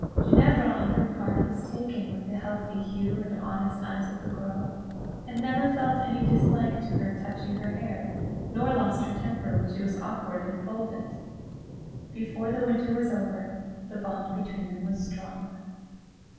Ginevra, on her part, was taken with the healthy hue and honest eyes of the girl, and neither felt any dislike to her touching her hair, nor lost her temper when she was awkward and pulled it. Before the winter was over, the bond between them was strong.